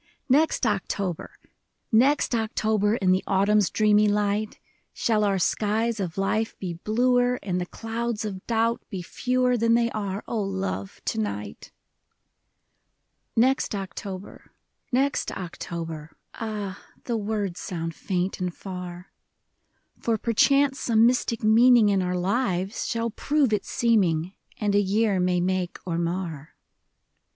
Next October, Next October, In the autumn's dreamy light. Shall our skies of life be bluer, And the clouds of doubt be fewer Than they are, O love, to night ! Next October, next October, — Ah, the words sound faint and far ; For perchance some mystic meaning In our lives shall prove its seeming, And a year may make or mar.